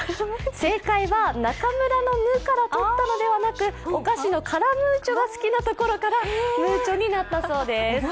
正解はナカムラの「ム」からとったのではなく、お菓子のカラムーチョが好きなところからムーチョになったそうです。